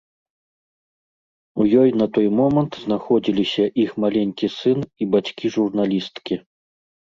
У ёй на той момант знаходзіліся іх маленькі сын і бацькі журналісткі.